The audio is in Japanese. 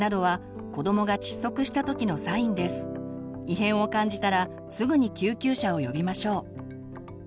異変を感じたらすぐに救急車を呼びましょう。